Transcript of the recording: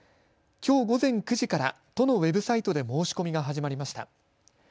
きょう午前９時から都のウェブサイトで申し込みが始まりました。